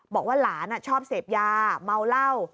บอกว่าหลานชอบเสพยาเมาเหล้า